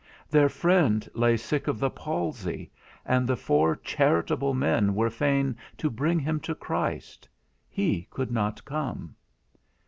Their friend lay sick of the palsy, and the four charitable men were fain to bring him to Christ; he could not come.